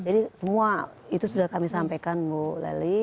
jadi semua itu sudah kami sampaikan bu lely